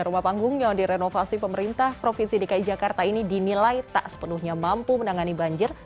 rumah panggung yang direnovasi pemerintah provinsi dki jakarta ini dinilai tak sepenuhnya mampu menangani banjir